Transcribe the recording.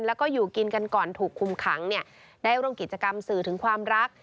แล้วก็อยู่กินกันก่อนถูกคุมขังได้ร่วมกิจกรรมสื่อถึงความรัก